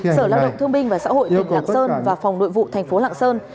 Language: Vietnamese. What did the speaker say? sở lao động thương binh và xã hội tỉnh lạng sơn và phòng nội vụ thành phố lạng sơn